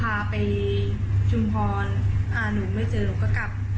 พาไปชุมพรอ่าหนูไม่เจอหนูก็กลับ